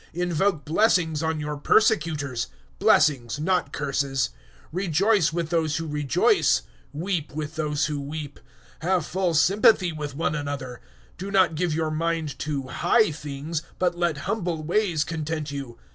012:014 Invoke blessings on your persecutors blessings, not curses. 012:015 Rejoice with those who rejoice; weep with those who weep. 012:016 Have full sympathy with one another. Do not give your mind to high things, but let humble ways content you.